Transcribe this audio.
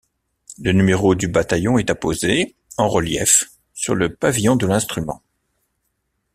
Le numéro du bataillon est apposé, en relief, sur le pavillon de l'instrument.